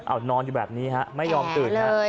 เอานอนอยู่แบบนี้ฮะไม่ยอมตื่นฮะ